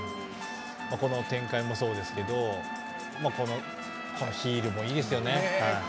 この展開もそうですけどヒールもいいですよね。